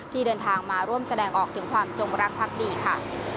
เดินทางมาร่วมแสดงออกถึงความจงรักพักดีค่ะ